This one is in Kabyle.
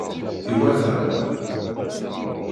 Iwata!